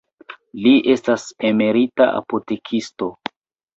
Li estas emerita apotekisto.